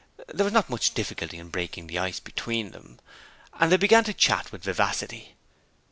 There was not much difficulty in breaking the ice between them, and they began to chat with vivacity.